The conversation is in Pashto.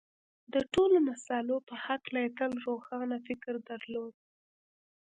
د ټولو مسألو په هکله یې تل روښانه فکر درلود